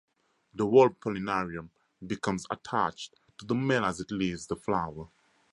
The whole pollinarium becomes attached to the male as it leaves the flower.